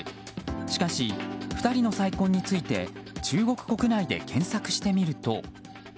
しかし、２人の再婚について中国国内で検索してみると。